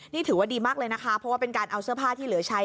นี่ถือว่าดีมากเลยนะคะเพราะว่าเป็นการเอาเสื้อผ้าที่เหลือใช้